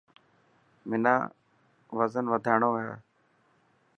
منا وزن وڌاڻو هي.